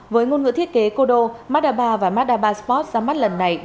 với ngôn ngữ thiết kế codo mazda ba và mazda ba sport ra mắt lần này